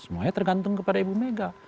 semuanya tergantung kepada ibu mega